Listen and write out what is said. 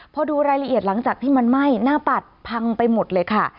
พอดูรายละเอียดหลังจากที่มันไหม้หน้าปัดพังไปหมดเลยค่ะ